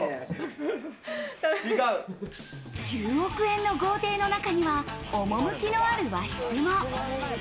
１０億円の豪邸の中には趣のある和室も。